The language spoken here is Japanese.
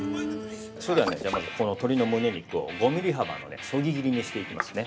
◆それでは、まずこの鶏のむね肉を５ミリ幅のそぎ切りにしていきますね。